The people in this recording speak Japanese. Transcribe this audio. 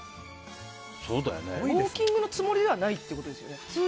ウォーキングのつもりではないってことですよね。